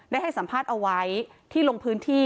ให้สัมภาษณ์เอาไว้ที่ลงพื้นที่